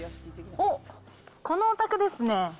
おっ、このお宅ですね。